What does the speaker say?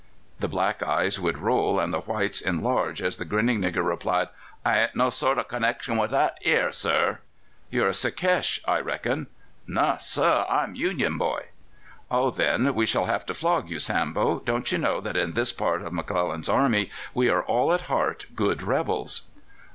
The black eyes would roll and the whites enlarge as the grinning nigger replied: "I ain't no sort o' connexion with that ere, sah." "You're a Secesh, I reckon." "No, sah; I'm Union boy." "Oh, then we shall have to flog you, Sambo. Don't you know that in this part of McClellan's army we are all at heart good rebels?"